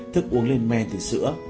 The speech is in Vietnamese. thức uống lên men thì sữa